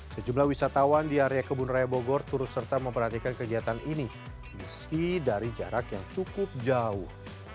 sejumlah wisatawan di area kebun raya bogor turut serta memperhatikan kegiatan ini meski dari jarak yang cukup jauh